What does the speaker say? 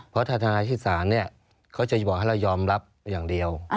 เพราะทนายที่ศาลเขาจะบอกให้เรายอมรับอย่างเดียว